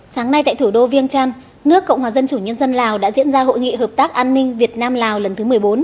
sáng nay tại thủ đô viêng trăn nước cộng hòa dân chủ nhân dân lào đã diễn ra hội nghị hợp tác an ninh việt nam lào lần thứ một mươi bốn